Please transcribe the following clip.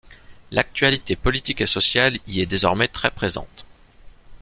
L'actualité politique et sociale y est désormais très présente.